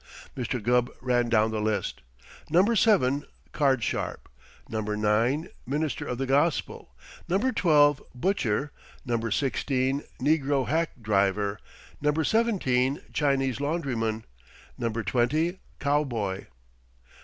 Mr. Gubb ran down the list Number Seven, Card Sharp; Number Nine, Minister of the Gospel; Number Twelve, Butcher; Number Sixteen, Negro Hack Driver; Number Seventeen, Chinese Laundryman; Number Twenty, Cowboy....